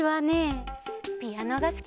ピアノがすきだな！